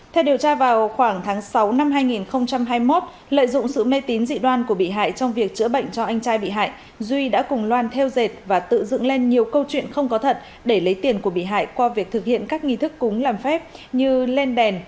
theo điều tra vào khoảng tháng sáu năm hai nghìn hai mươi một lợi dụng sự mê tín dị đoan của bị hại trong việc chữa bệnh cho anh trai bị hại duy đã cùng loan theo dệt và tự dựng lên nhiều câu chuyện không có thật để lấy tiền của bị hại qua việc thực hiện các nghi thức cúng làm phép như lên đèn